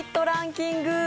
ランキング。